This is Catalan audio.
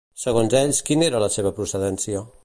Segons ells, quina era la seva procedència?